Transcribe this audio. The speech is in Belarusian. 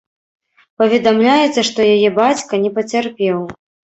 Паведамляецца, што яе бацька не пацярпеў.